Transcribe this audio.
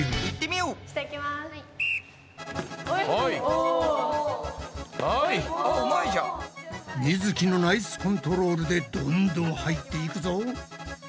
みづきのナイスコントロールでどんどん入っていくぞ！